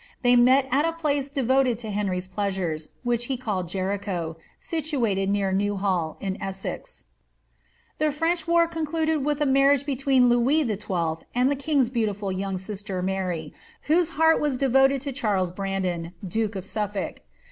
They met at a place de voted to Henry's pleasures, which he called Jericho, situated near New Hall, in Essex. The French war concluded with a marriage between Louis XII. and the king's beautiful young sister Mttry^ whose heart was devoted to Charles Brandon, duke of Sufiblk.